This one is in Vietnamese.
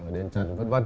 đền trần v v